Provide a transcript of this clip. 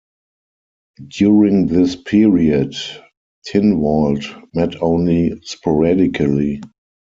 During this period, Tynwald met only sporadically.